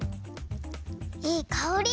いいかおり！